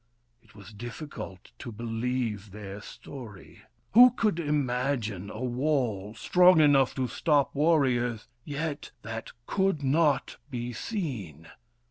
It was difficult to believe their story. Who could imagine a wall, strong enough to stop warriors, yet that could not be seen